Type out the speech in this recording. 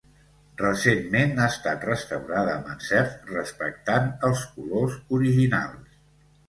Recentment ha estat restaurada amb encert respectant els colors originals.